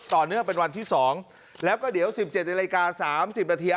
ต่อเนื่องเป็นวันที่๒แล้วก็เดี๋ยว๑๗นาฬิกา๓๐นาที